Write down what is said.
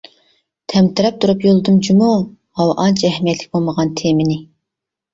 تەمتىرەپ تۇرۇپ يوللىدىم جۇمۇ ماۋۇ ئانچە ئەھمىيەتلىك بولمىغان تېمىنى.